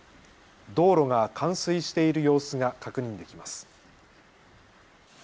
道路が冠水している様子が確認できます。